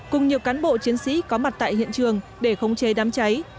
cùng nhiều cán bộ chiến sĩ có mặt tại hiện trường để khống chế đám cháy